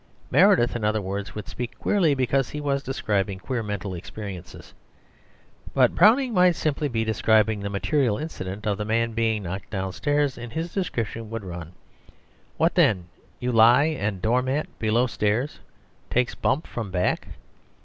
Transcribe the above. Meredith, in other words, would speak queerly because he was describing queer mental experiences. But Browning might simply be describing the material incident of the man being knocked downstairs, and his description would run: "What then? 'You lie' and doormat below stairs Takes bump from back."